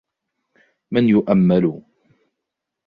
مَنْ يُؤَمِّلُ